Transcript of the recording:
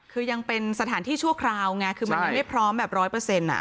คือยังเป็นสถานที่ชั่วคราวไงคือมันยังไม่พร้อมแบบร้อยเปอร์เซ็นต์